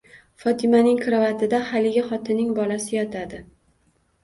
Fotimaning karavotida haligi xotinning bolasi yotadi.